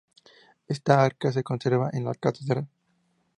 Este arca se conserva en la catedral.